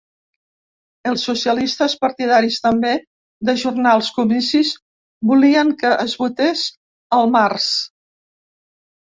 Els socialistes, partidaris també d’ajornar els comicis, volien que es votés al març.